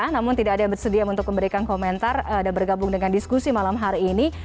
namun tidak ada yang bersedia untuk memberikan komentar dan bergabung dengan diskusi malam hari ini